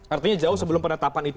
artinya jauh sebelum penetapan itu